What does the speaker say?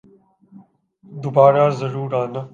دوبارہ ضرور آنا